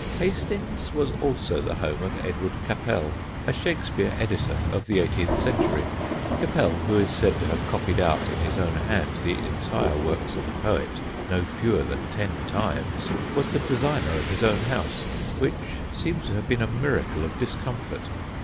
Hastings was also the home of Edward Capel, a Shakespeare editor of the eighteenth century. Capel, who is said to have copied out in his own hand the entire works of the poet no fewer than ten times, was the designer of his own house, which seems to have been a miracle of discomfort.